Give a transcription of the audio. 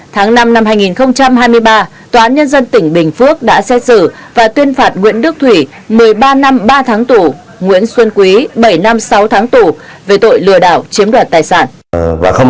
tháng năm năm hai nghìn hai mươi ba tòa án nhân dân tỉnh bình phước đã xét xử và tuyên phạt nguyễn đức thủy một mươi ba năm ba tháng tù nguyễn xuân quý bảy năm sáu tháng tù về tội lừa đảo chiếm đoạt tài sản